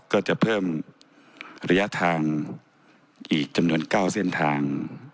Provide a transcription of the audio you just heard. ก็จะเพิ่มระยะทางอีกจำนวน๙เส้นทาง